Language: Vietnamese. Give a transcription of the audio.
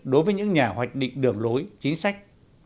đối với những nhà hoạch định đường lối chính sách